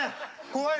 怖い。